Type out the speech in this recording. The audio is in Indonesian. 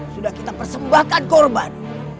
sudah kita persembahkan korban